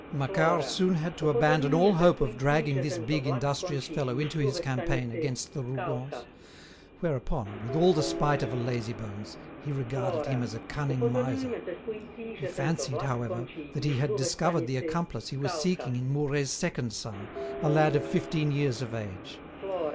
Macquart soon had to abandon all hope of dragging this big industrious fellow into his campaign against the Rougons; whereupon, with all the spite of a lazybones, he regarded him as a cunning miser. He fancied, however, that he had discovered the accomplice he was seeking in Mouret's second son, a lad of fifteen years of age.